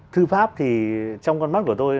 thư pháp thì trong con mắt của tôi